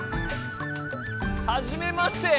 はじめまして！